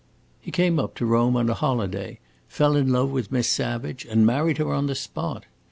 He came up to Rome on a holiday, fell in love with Miss Savage, and married her on the spot.